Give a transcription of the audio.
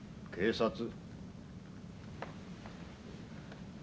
警察？